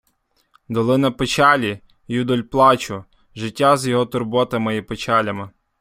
Долина печалі, юдоль плачу - життя з його турботами і печалями